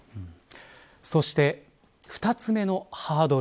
そして２つ目のハードル。